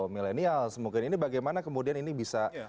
millenial semoga ini bagaimana kemudian ini bisa